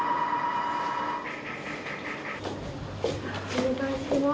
お願いします。